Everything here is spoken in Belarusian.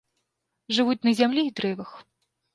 Жывуць на зямлі і дрэвах.